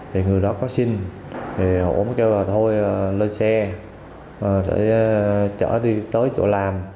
thì người đó có xin thì hổ mới kêu là thôi lên xe để chở đi tới chỗ làm